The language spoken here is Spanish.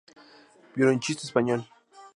Violonchelista español.